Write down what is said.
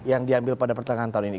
yang diambil pada pertengahan tahun ini